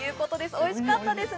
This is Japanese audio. おいしかったですね。